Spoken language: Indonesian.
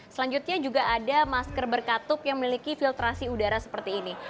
selanjutnya juga ada masker berkatup yang memiliki filtrasi udara seperti ini